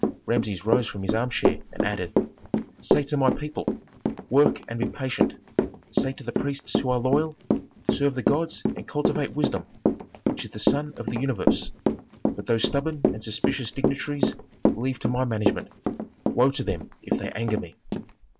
Rameses rose from his armchair and added, "Say to my people: Work and be patient. Say to the priests who are loyal: Serve the gods and cultivate wisdom, which is the sun of the universe. But those stubborn and suspicious dignitaries leave to my management. Woe to them if they anger me."